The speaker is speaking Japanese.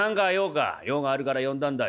「用があるから呼んだんだよ」。